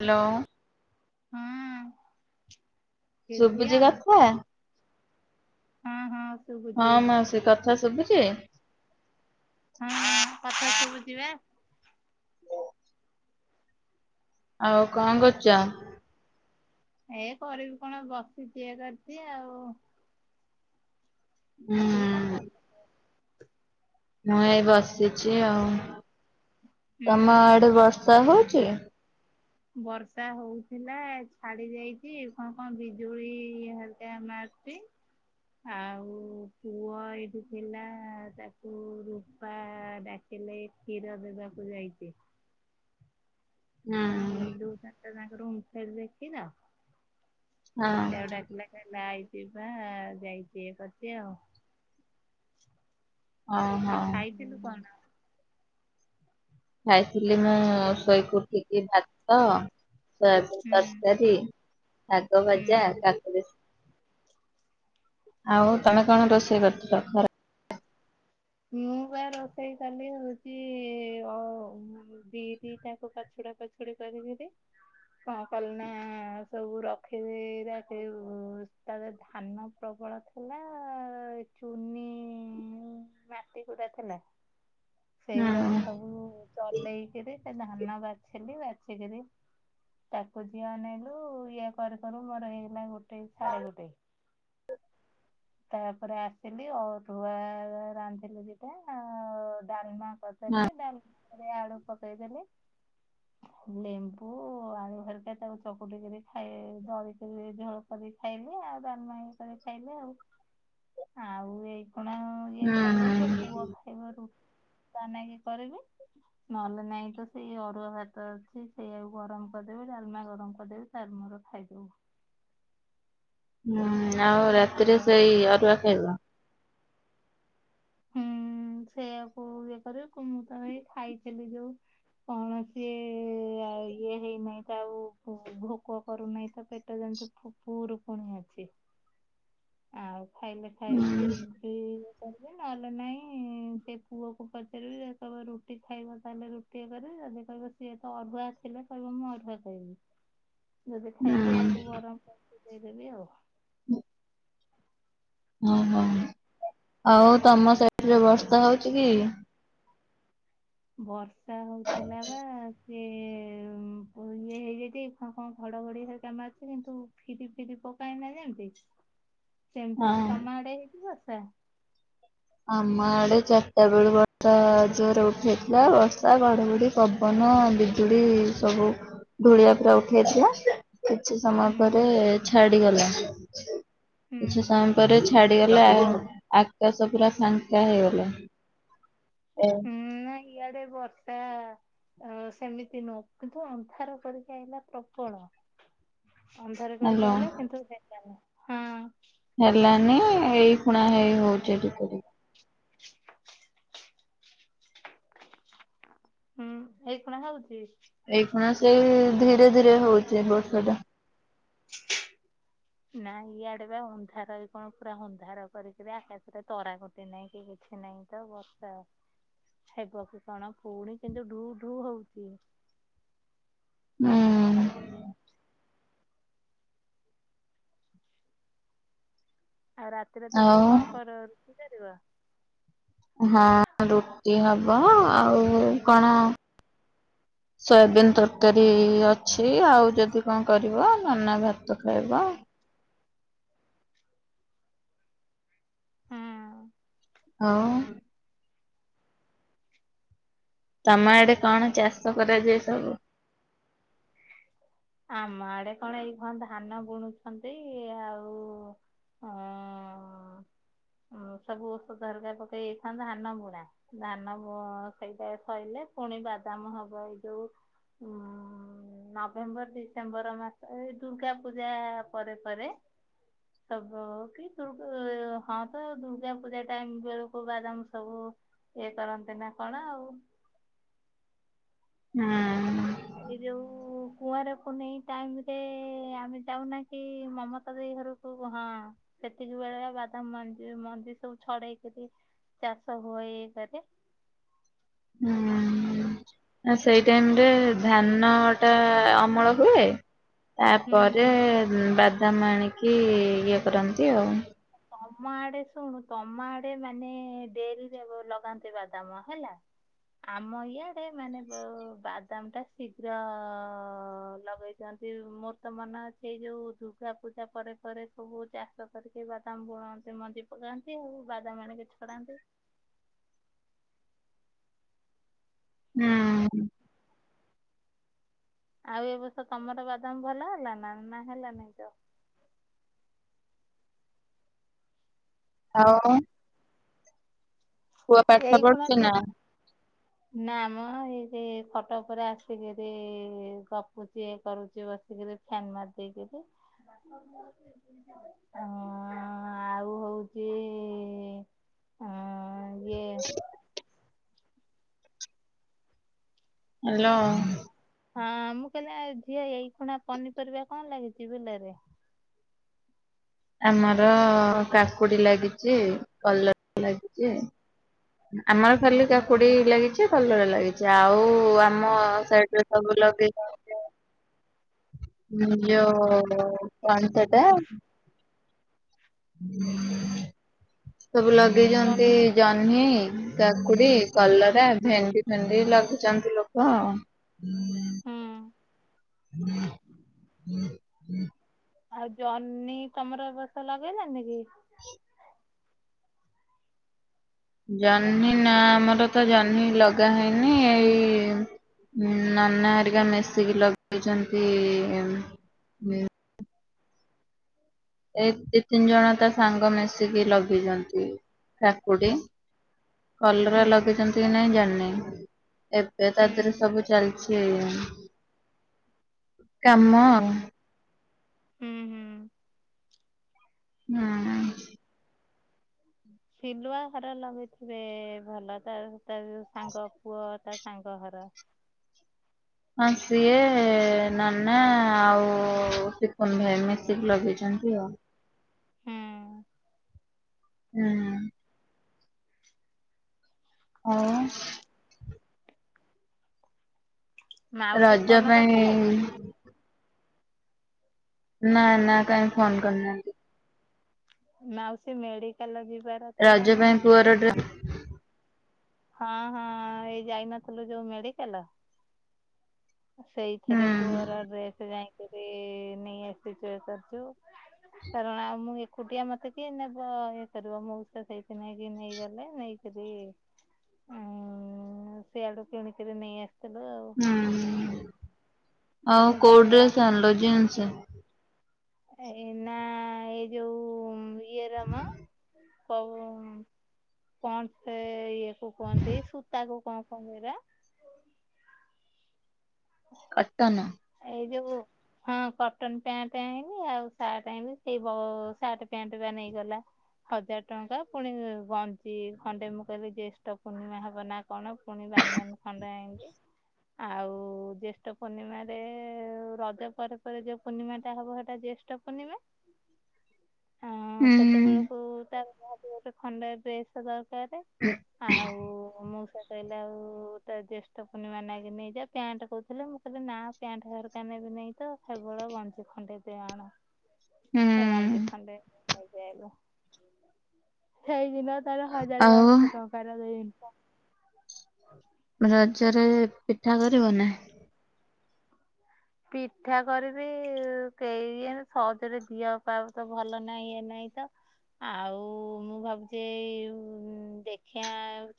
Hello. ହଁ କିଏ ଝିଅ ଶୁଭୁଜି କଥା? ହଁ ହଁ ହଁ ଶୁଭୁଛି ମାଉସୀ କଥା ଶୁଭୁଛି? ହଁ କଥା ସବୁଚି ବା। ଆଉ କଣ କରୁଛ? ଏ କରିବି କଣ ବସିଛି ଇଏ କରିଛି ଆଉ। ଆଉ ହୁଁ। ତୁ କଣ କରୁଚୁ? ମୁଁ ଏଇ ବସିଛି ଆଉ। ହୁଁ। ତମ ଆଡେ ବର୍ଷା ହଉଛି। ବର୍ଷା ହଉଥିଲା ଛାଡି ଯାଇଛି କଣ କଣ ବିଜୁଳି-ଇ-ଇ ହାଲକା ମାରୁ ଚି। ଆଉ ପୁଅ ଏଇଠି ଥିଲା-ଆ-ଆ-ଆ ତାକୁ ରୂପା ଡାକ ବିଲେଇ କ୍ଷୀର ଦେବାକୁ ଯାଇଛି। ନା-ଆ-ଆ-ଇ। ଯଉ ଚାରିଟା ଯାଙ୍କ ରୁମ୍ ସେଇଠି ଦେଖିଲ ହଁ। ସେୟା ଡାକିଲା ହେ ଲାଇଛି ବା ଯାଇଛି ଇଏ କରିଛି ଆଉ। ଓହୋ ଆଉ ଖାଇଥିଲୁ କଣ? ଖାଇଥିଲି ମୁଁ-ଉ-ଉ-ଉ ଶୋଇକି ଉଠିକି ଭାତ ସୋୟାବିନ୍ ହୁଁ ତରକାରୀ, ଶାଗ ହୁଁ ଭଜା, କାକୁଡ଼ି। ଆଉ ତମେ କଣ ରୋଷେଇ କରିଥିଲ ଖରା ମୁଁ ବା ରୋଷେଇ କଲି ହଉଛି-ଇ-ଇ-ଇ ଅ-ଅ-ଅ ବିରି ତାଙ୍କୁ ପାଛୁଡା ପାଛୁ [unintelligible] କଣ କଲି ନା-ଆ-ଆ-ଆ ସବୁ ରଖିଦେଇ [unintelligible] ଉ-ଉ-ଉ ତାରେ ଧାନ ପ୍ରବଳ ଥିଲା-ଆ-ଆ-ଆ ଚୁନି-ଇ-ଇ-ଇ ମାଟି ଗୁଡା ଥିଲା। ହୁଁ ସେଇଗୁଡାକୁ ସବୁ ଚଲେଇକିରି ସେ ଧାନ ବାଛିଲି ବାଛିକିରି ତାକୁ ଝିଅ ଅନେଇଲୁ ଇଏ କରୁ କରୁ ବଡ ହେଇଗଲା ଗୋ ଟେ ସାଢ଼େ ଗୋଟେ। ତାପରେ ଆସିଲି ଅରୁଆ ରାନ୍ଧିଲି ଦିଟା-ଆ-ଆ-ଆ, ଡାଲମା ହଁ କରିଦେଲି ଡାଲ ରେ ଆଳୁ ପକେଇଦେଲି। ଲେମ୍ବୁ ଆଳୁ ହେରିକା ତାକୁ ଚକୁଟିକିରି ଖାଇ ଦଳିକରି ଝୋଳ କରି ଖାଇଲି ଆଉ ଡ଼ାଲେମା କରି ଖାଇଲେ ଆଉ ଆଉ ଏଇ ଖିନା-ଆ-ଆ-ଆ ଇଏ ହୁଁ କରିବନି ଯେ ପୁଅ ଖାଇବ ରୁ ତା ନାଗି କରିବି। ନହେଲେ ନାଇଁ ତ ସେଇ ଅରୁଆ ଭାତ ଅଛି ସେଇଆକୁ ଗରମ କରିଦେବି ଡାଲମା ଗରମ କରିଦେବି। ତାର୍ ମୋର ଖାଇଦବୁ। ହୁଁ-ଉ-ଉ-ଉ ଆଉ ରାତିରେ ସେଇ ଅରୁଆ ଖାଇବ? ହୁଁ-ଉ-ଉ-ଉ ସେଇଆକୁ ଇଏ କରିବ କୁ ମୁଁ ତ ହେଇ ଖାଇଥିଲି ଯୋଉ କଣ ସିଏ-ଏ-ଏ ଆ ଇଏ ହେଇନାହିଁ ତାକୁ ଭୋ ଭୋକ କରୁନାହିଁ ତା ପେଟ ଯେନ୍ତି ମୋ ପୁଅର ପୁଣି ଅଛି। ଆଉ ଖାଇଲେ ଖାଇବି ହୁଁ। ଯଦି ହେବ ହେ ନହେଲେ ନାହିଁ-ଇ-ଇ-ଇ। ସେ ପୁଅକୁ ପଚାରିବି ଯଦି କହିବ ରୁଟି ଖାଇବ ତାହେଲେ ରୁ ଟି କରିବି, ଯଦି କହିବ ସିଏ ତ ଅରୁଆ ଥିଲେ କହିବ ମୁଁ ଅରୁଆ ଖାଇବି। ଯଦି ଖାଇବ ତାକୁ ଗରମ କରିକି ଦେଇଦେବି ଆଉ। ହଁ। ଓହୋ ଆଉ ତମ ସେପଟରେ ବର୍ଷା ହଉଛି କି? ବର୍ଷା ହଉଥିଲା ବା ସିଏ-ଏ-ଏ-ଏ ଇଏ ହେ ଇଯାଇଛି କଣ କ ଘଡଘଡି ହେରିକା ମାରୁଚି କିନ୍ତୁ ଫିରି ଫିରି ପକାଏନା ଯେମିତି ସେମିତି ହଁ, ହଉଛି। ତମ ଆଡେ ହେଇଛି ବର୍ଷା? ଆମ ଆଡେ ଚାରିଟା ବେଳୁ ବର୍ଷା ଜୋର ଉଠେଇଥିଲା ବର୍ଷା, ଘଡଘଡି ପବନ, ବିଜୁଳି ସବୁ ଧୂଳିଆ ପୁରା ଉଠି ଯାଇଥିଲା। କିଛି ସମୟ ହୁଁ ପରେ ଛାଡିଗଲା। କିଛି ହୁଁ। ସମ ପରେ ଛାଡିଗଲା ଆଉ ଆକାଶ ପୁରା ଫାଙ୍କା ହେଇଗଲା। ଏବ୍ ହୁଁ ନାଇଁ ଇଆଡେ ବର୍ଷା ଅ ସେମିତି ନୁହଁ କିନ୍ତୁ ଅନ୍ଧାର କରିକି ଆଇଲା ପ୍ରବଳ। ଅନ୍ଧାର କରିକି ହ୍ୟାଲୋ ଆଲ କିନ୍ତୁ ଦେଖା ନାହିଁ। ହେଲାନି ଏଇ ପୁଣା ହେଇ ହୋଉଚି ଟିକେ ଟିକେ। ହୁଁ ଏଇ କଣ ହୋଉଚି। ଏଇ ଖୁଣା ସେଇ ଧୀରେ ଧୀରେ ହୋଉଚି ବର୍ଷାଟା। ନା ଇଆଡେ ବା ଅନ୍ଧାର କଣ ପୁରା ଅନ୍ଧାର କରି କିରି ଆକାଶରେ ତରା କ ସେ ନାଇଁ କି କିଛି ନାହିଁ ତ ବର୍ଷା କଣ ପୁଣି ସେ ଯୋଉ ଢୁ ଢୁ ହୋଉଚି। ହୁଁ। ଆଉ ରାତିରେ ତ ପୁଅ ଆଉ କଣ କର ରୁ [unintelligible] ହଁ ରୁଟି ହବ ଆଉ କଣ ସୋୟାବିନ୍ ତରକାରୀ ଅଛି ଆଉ ଯଦି କଣ କରିବ, ନନା ଭାତ ଖାଇବ। ହଁ। ତମ ଆଡେ କଣ ଚାଷ କରାଯାଏ ସବୁ? ଆମ ଆଡେ କଣ ଏଇ ହ ଧାନ ବୁଣୁଛନ୍ତି ଆଉ ହଁ ସବୁ ଔଷଧରକା ପକେଇ ପକାଇଥାନ୍ତା ଧାନ ବୁଣା। ଧାନ ବୁ ହେଇ ସଇ ସଇଲେ ପୁଣି ବାଦାମ ହବ ଏଇ ଯୋଉ ଉଉଁ ନଭେମ୍ବର ଡିସେମ୍ବର ମାସ ଏଇ ଦୁର୍ଗା ପୂଜା ପରେ ପରେ। ସବୁ କି ଦୁର୍ଗା ହଁ ତ ଦୁର୍ଗା ପୂଜା ଟାଇମ ବେଳକୁ ବାଦାମ ସବୁ ଇଏ କରନ୍ତି ନା କଣ ଆଉ। ହଁ। ଏଇ ଯୋଉ କୁମାର ପୂର୍ଣ୍ଣିମା ଟାଇମ ରେ ଆମେ ଯାଉନା କି ମମତା ଦେଇ ଘରକୁ ହଁ ସେତିକି ବେଳେ ବାଦାମ ମଞ୍ଜି ମଞ୍ଜି ସବୁ ଛଡେଇକରି ଚାଷ ହୁଏ [unintelligible] ହୁଁ। ସେଇ ଟାଇମ ରେ ଧାନ ଟା ଅମଳ ହୁଏ। ହୁଁ ତାପରେ ହୁଁ ବାଦାମ ଆଣିକି ଇଏ କରନ୍ତି ଆଉ। ତମ ଆଡେ ଶୁଣୁ ତମ ଆଡେ ମାନେ ଡେରିରେ ଲଗାନ୍ତେ ବାଦାମ ହେଲା। ଆମ ଇଆଡେ ମାନେ ବାଦାମ ଟା ଶୀଘ୍ର ଲଗେଇ ଯେ ମୋର୍ ତ ମନେ ଅଛି ସେଇ ଯୋଉ ଦୁର୍ଗା ପୂଜା ପରେ ପରେ ସବୁ ଚାଷ [unintelligible] ତାମ୍ବୁନ୍ତି ମଞ୍ଜି ପକାନ୍ତି ଆଉ ବାଦାମ ଆଣିକି [unintelligible] ହୁଁ। ଆଉ ଏ ବର୍ଷ ତମର ବାଦାମ ଭଲ ହେଲା ନା ନା ହେଲାନାଇଁ ତ? ଆମ ପାଠ ଏଇ କଣ ପଢୁଛି ନା? ନା ମ ଏଇ ଖଟ ଉପରେ ଆସିକିରି ଗପୁଛି ଏ କରୁଛି ବସ ଫାନ ମାରି [unintelligible] ହଁ ଆଉ ହୋଇଚି ଇଏ ହାଲୋ। ହଁ ମୁଁ କହିଲି ଝିଅ ଏଇ ଖୁଣା ପନିପରିବା କଣ ଲାଗିଚି [unintelligible] ଆମର କାକୁଡି ଲାଗିଛି କଲର ଲାଗିଛି। ଆମର ହୁଁ ଖାଲି କାକୁଡି ଲାଗିଚି କଲରା ଲାଗିଚି ଆଉ ଆମ ସବୁ ଲଗେଇ [unintelligible] ଯୋଉ କଣ ସେଟା। ସବୁ ଏଇ ଲଗେଇଛନ୍ତି ଜହ୍ନି ଜହ୍ନୀ। କାକୁଡି, ହୁଁ କଲରା, ଭେଣ୍ଡି ଫେଣ୍ଡି ଲଗେଇଛନ୍ତି ଲୋକ ଆ। ହୁଁ ଆଉ ଜହ୍ନି ତମର ଏବର୍ଷ ଲଗେଇନାହାନ୍ତି କି? ଜହ୍ନି ନା ଆମର ତ ଜହ୍ନି ଲଗା ହେଇନି ଏଇ। ନନା ହେରିକା ମିଶିକି ଲଗେଇଛନ୍ତି ଏଇ ଦି ତିନି ଜଣ ତା ସାଙ୍ଗ ମିଶିକି ଲଗିଛନ୍ତି କାକୁଡି। କଲରା ହୁଁ ଲଗେଇଚଛନ୍ତି କି ନାଇଁ ଜାଣିନି। ଏବେ ତା ଦେହରେ ହୁଁ ସବୁ ଚାଲିଛି। କାମ। ହୁଁ ହୁଁ ହୁଁ। ସିଲୁଆ ଘର ଲଗେଇଥିବେ, ଭଲ ତା ତା ସାଙ୍ଗ ପୁଅ ତା ସାଙ୍ଗ ଘର। ହଁ ସିଏ ନନା ଆଉ ସିକୁନ ଭାଇ ମିଶିକି ଲଗେଇଛନ୍ତି ଆଉ। ହୁଁ। ହୁଁ। ହଉ। ମାଉସୀ ରଜ ଫୋନ ପାଇଁ କରିଥିଲେ କୀ? ନା ନା କାଇହିଁ ଫୋନ କରିନାହାନ୍ତି। ମାଉସୀ ମେଡିକାଲ ଯିବା ରଜ ପାଇଁ ପୁଅର ଡ୍ରେସ ହଁ ହଁ ଏଇ ଯାଇନଥିଲୁ ଯୋଉ ମେଡିକାଲ? ହୁଁ ସେଇଥିରେ ପୁଅର ଡ୍ରେସ ଯାଇକିରି ନେଇ ଆସିଛୁ କରିଛୁ। କାରଣ ଆଉ ମୁଁ ଏକୁଟିଆ ମତେ କିଏ ନେବ ଇଏ କରିବ ମଉସା ସେଇଥି ପାଇଁକି ନେଇ ନେଇଗଲେ ନେଇ ଉ ସିଆଡୁ କିଣିକିରି ନେଇ ଆସିଥିଲୁ ଆଉ। ହୁଁ। ଆଉ କୋଉ ଯାଉ ଆ ଡ୍ରେସ୍ ଆଣିଲ, ଜିନ୍ସ? ଏଇନା ଏଯୋଉ ଇଏରମ। କୋଉ ପଣ୍ଡ୍ସ ସେ ଇଏ। କୁ କୁହନ୍ତି ସୂତା କୁ କଣ କୁହନ୍ତି ଏରା? କଟନ। ଏଇ ଯୋଉ। ହଁ କଟନ ପ୍ୟାଣ୍ଟ ଆଣବି, ଆଉ ସାର୍ଟ ଆଣିବି ସେଇ ସାର୍ଟ ପ୍ୟାଣ୍ଟ ବା ନେଇଗଲା। ହଜାର ଟଙ୍କା ପୁଣି, ଗଞ୍ଜି ଖଣ୍ଡେ ମୁଁ କହିଲି ଜ୍ୟେଷ୍ଠ ପୂର୍ଣ୍ଣିମା ହବ ନା କଣ ପୁଣି ବାନିଆନ ଖଣ୍ଡେ ଆଇଲି ଆଉ। ଜ୍ୟେଷ୍ଠ ପୂର୍ଣ୍ଣିମାରେ, ରଜ ପରେ ପରେ ଯୋଉ ପୂର୍ଣ୍ଣିମା ଟା ହବ ସେଇଟା ଜ୍ୟେଷ୍ଠ ପୂର୍ଣ୍ଣିମା। ହଁ ହୁଁ। ସେତେବେଳକୁ ତାର ଗୋଟେ ଖଣ୍ଡ ଡ୍ରେସ୍ ଦରକାର। ଆଉ ମୁଁ କହିଲେ ଆଉ ତା ଜ୍ୟେଷ୍ଠ ପୂର୍ଣ୍ଣିମା ମଗି ନେଇଯା ପ୍ୟାଣ୍ଟ କହୁଥିଲେ ମୁଁ କହିଲି ନା ପ୍ୟାଣ୍ଟ ସାଟ ରକାନେ ବି ନାଇଁ ତ କେବଳ ଗଞ୍ଜି ଖଣ୍ଡିଏ ଆଣ। ଏ ଗଞ୍ଜି ହୁଁ ଖଣ୍ଡେ ନେଇକିଆଇଲୁ। ସେଇଦିନ ତାର ହଜାର ଆଉ ବାରଶହ ଟଙ୍କାର ଦେଇଛନ୍ତି ତ। ରଜରେ ପିଠା କରିବ ନାଁ? ପିଠା କରିବି କେହି ସହଜରେ ଦିଅ ପାବ ତ ଭଲ ନାହିଁ ଇଏ ନାହିଁ ତ ଆଉ ମୁଁ ଭାବୁଛି ଦେଖିଆ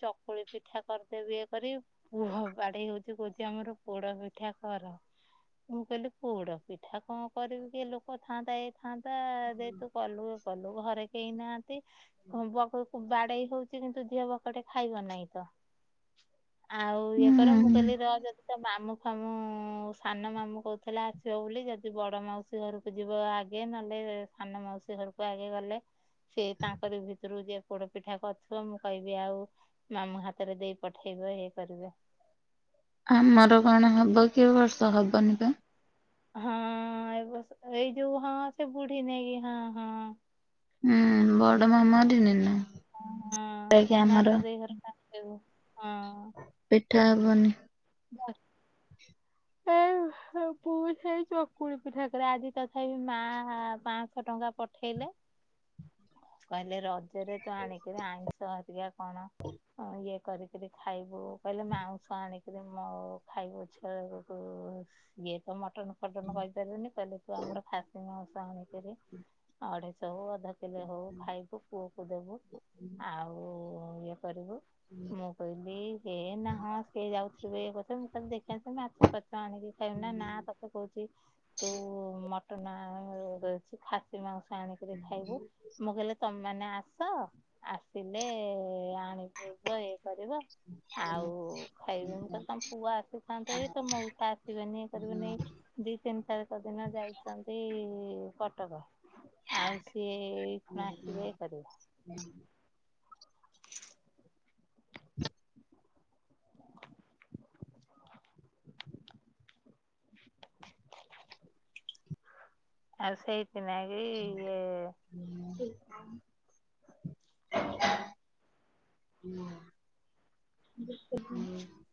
ଚକ କୁଳି ପିଠା କରିଦେବ ଇଏ କରି, ପୁଅ ବାଡେଇ ହଉଛି କହୁଛି ଆମର ପୋଡ ପିଠା କର। ମୁଁ କହିଲି ପୋଡ ପିଠା କଣ କରିବି କିଏ ଲୋକ ଥାଆନ୍ତା ଏଇ ଥାନ୍ତା ଯେ ତୁ କଲୁ। କଲୁ ଘରେ କେହି ନାହାନ୍ତି। [inaudible] ବାଡେଇ ହଉଚଛି କିନ୍ତୁ ଝିଅ ବକଟେ ଖାଇବ ନାହିଁ ତ। ଆଉ ଇଏ କର ମୁଁ ହୁଁ କହିଲିି ର ଯଦି ତ ମାମୁଁ ଫାମୁ ସାନ ମାମୁ କହୁଥିଲେ ଆସିବ ବୋଲି ଯଦି ବଡ ମାଉସୀ ଘରକୁ ଯିବ ଆଗେ ନହେଲେ ସାନ ମାଉସୀ ଘରକୁ ଆଗେ ଗଲେ ସେ ତାଙ୍କର ଭିତରୁ ଯଏ ପୋଡ ପିଠା କରୁଥିବ ମୁଁ କହିବି ଆଉ ମାମୁଁ ହାତରେ ଦେଇ ପଠେଇବ ଇଏ କରିବେ। ଆମର କଣ ହବ କି ଏ ବର୍ଷ ହବନି ପା। ହଁ ଏ ଏଇ ଯୋଉ ହଁ ସେ ବୁଢୀ ନ କି ହଁ ହଁ। ହୁଁ ବଡ ମାମା ଦିନେ ଦିନେ। ହଁ ମା ତ ଦେଇ ଘରକୁ ଆସିବୁ ହଁ। ପିଠା ହବନି। ଏ ପୁଅ ସେଇ ଚକୁଳି ପିଠା କରେ ଆଜି ତଥାପି ମା ପାଞ୍ଚଶହ ଟଙ୍କା ପଠେଇଲେ। କହିଲେ ରଜରେ ତ ଆଣିକିରି ଆଇଁଷ ଟିକେ କଣ? ହଁ ଇଏ କରିକରି ଖାଇବୁ କହିଲେ ମାଉଁସ ଆଣି ମୋ ଖାଇ ପଛୁ ବେକୁ ଇଏ ତ ମଟନ ଫଟନ କରିପାରିବୁନି କହିଲେ ତୁ ଆମର ଖାସି ମାଉସ ଆଣିକରି ଅଢେଇଶ ହଉ ଅଧ କିଲୋ ହଉ ଖାଇବୁ। ପୁଅକୁ ଦେବୁ ଆଉ ଇଏ କରିବୁ ମୁଁ କହିଲି ହେ ନା ହଁ ସିଏ ଯାଉଥିବେ କଥା ମୁଁ ତାହଲେ ଦେଖି ମାଛ ପଚ ଆଣିକି ଖାଇବୁ ନା ତତେ କହୁଛି ତୁ କଟା ରହିଛି ଖାସି ମାଂସ ଆଣିକ ଖାଇବୁ। ମୁଁ କହିଲି ତମେ ମାନେ ଆସ ଆସିଲେ ଆଣିିବି ଇଏ କରିବ। ଆଉ ଖାଇବି ମୁଁ। ତମ ପୁଅ ଆସିଥାନ୍ତେ ତ ମଉସା ଆସିବେନି ଇଏ କରିବେନି। ଦି ତିନି ତାରିଖ ଦିନ ଯାଇଛନ୍ତି କଟକ। ଆଉ ସିଏଣ ଆସିବେ ଇଏ କରିବେ। [inaudible] [inaudible] [inaudible] ଆଉ ସେଇଥି ପାଇଁ କି ଇଏ [inaudible] [inaudible]